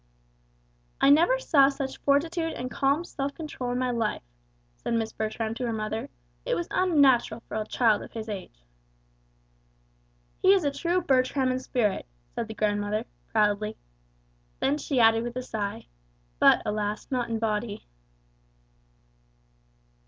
"I never saw such fortitude and calm self control in my life," said Miss Bertram to her mother; "it was unnatural for a child of his age!" "He is a true Bertram in spirit," said the grandmother, proudly; then she added with a sigh, "but, alas, not in body."